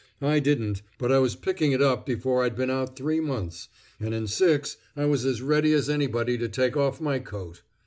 I didn't, but I was picking it up before I'd been out three months, and in six I was as ready as anybody to take off my coat.